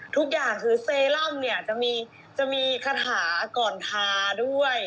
ทุกอย่างคือเซรั่มเนี่ยจะมีคาถาก่อนทาด้วย